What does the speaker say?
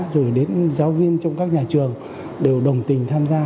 rồi đến giáo viên trong các nhà trường đều đồng tình tham gia